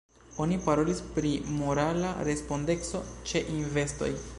Oni parolis pri morala respondeco ĉe investoj.